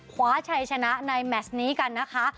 คว้าชัยชนะในแมชนี้กันนะคะ